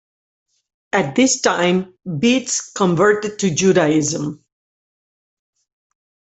At this time, Beatts converted to Judaism.